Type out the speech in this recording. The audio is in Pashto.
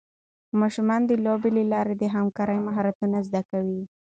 ماشومان د لوبو له لارې د همکارۍ مهارتونه زده کوي.